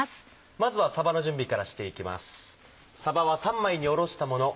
まずはさばの準備からしていきます。